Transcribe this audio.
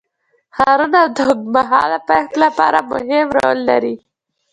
ښارونه د اوږدمهاله پایښت لپاره مهم رول لري.